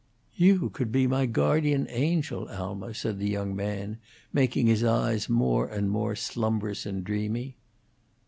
"You could be my guardian angel, Alma," said the young man, making his eyes more and more slumbrous and dreamy.